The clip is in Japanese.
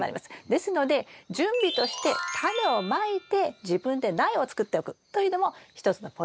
ですので準備としてタネをまいて自分で苗を作っておくというのも一つのポイントだと思います。